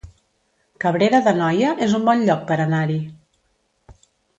Cabrera d'Anoia es un bon lloc per anar-hi